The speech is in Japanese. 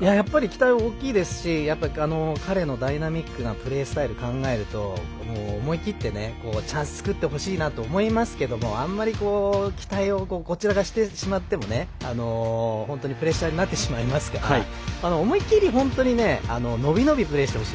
期待は大きいですし彼のダイナミックなプレースタイルを考えると思い切ってチャンス作ってほしいなと思いますけどもあんまり期待をこちらがしてしまっても本当にプレッシャーになってしまいますから思い切り、本当に伸び伸びプレーしてほしい。